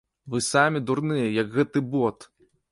Вы самі дурныя, як гэты бот!